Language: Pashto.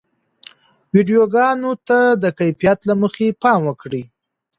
ویډیوګانو ته د کیفیت له مخې پام وکړئ.